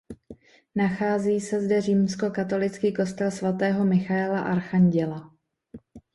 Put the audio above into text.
Nachází se zde římskokatolický kostel svatého Michaela archanděla.